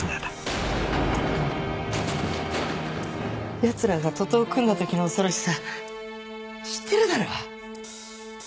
ヤツらが徒党を組んだ時の恐ろしさ知ってるだろ？